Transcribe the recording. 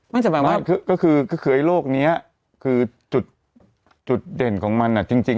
มันจะหมายว่าก็คือไอ้โรคนี้คือจุดเด่นของมันน่ะจริง